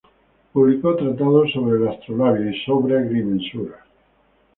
Publicó tratados sobre el astrolabio y sobre agrimensura.